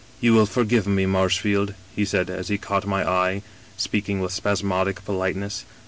"* You will forgive me, Marshfield,' he said, as he caught my eye, speaking with spasmodic politeness.